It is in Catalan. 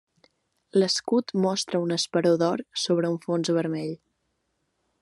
L'escut mostra un esperó d'or sobre un fons vermell.